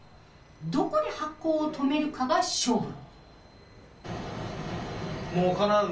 どこで発酵を止めるかが勝負。